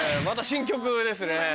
また新曲ですね。